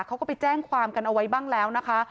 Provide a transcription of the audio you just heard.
เขาก็ไปแจ้งความกันเอาไว้บ้างแล้วนะคะ